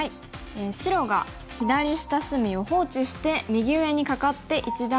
白が左下隅を放置して右上にカカって一段落した局面ですね。